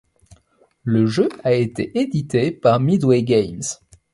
Le jeu a été édité par Midway Games.